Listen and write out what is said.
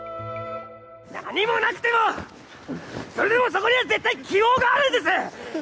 何もなくてもそれでもそこには絶対希望があるんです！